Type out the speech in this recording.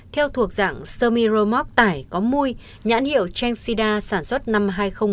theo thuộc dạng semi romoc tải có mui nhãn hiệu trang sida sản xuất năm hai nghìn một mươi năm